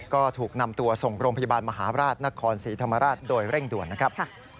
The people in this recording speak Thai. ก็ถูกนำตัวส่งโรงพยาบาลมหาราชนครศรีธรรมราชโดยเร่งด่วนนะครับ